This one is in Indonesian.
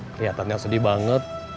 keliatannya sedih banget